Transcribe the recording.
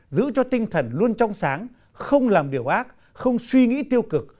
giữ cho tinh thần luôn trong sáng không làm điều ác không suy nghĩ tiêu cực